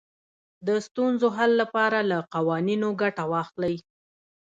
د ستونزو حل لپاره له قوانینو ګټه واخلئ.